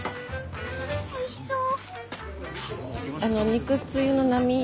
おいしそう！